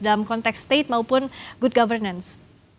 dalam konteks state maupun good governance